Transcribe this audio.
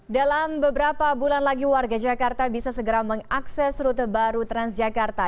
dalam beberapa bulan lagi warga jakarta bisa segera mengakses rute baru transjakarta